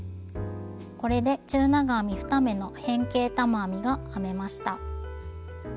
これで中長編み２目の変形玉編みが編めました。